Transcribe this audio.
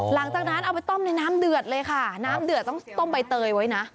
เอาไปต้มในน้ำเดือดเลยค่ะน้ำเดือดต้องต้มใบเตยไว้นะ